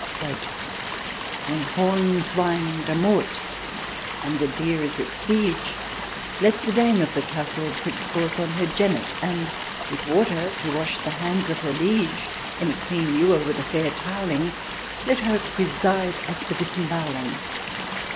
" When horns wind a mort, and the deer is at siege, Let the dame of the Castle prick forth on her jennet, And with water to wash the hands of her liege In a clean ewer with a fair towelling. Let her preside at the disembowelUng."